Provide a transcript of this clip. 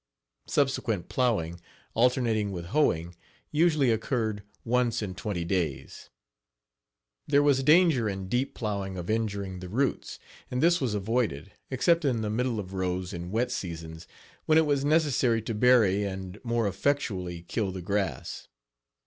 Subsequent plowing, alternating with hoeing, usually occurred once in twenty days. There was Page 28 danger in deep plowing of injuring the roots, and this was avoided, except in the middle of rows in wet seasons when it was necessary to bury and more effectually kill the grass.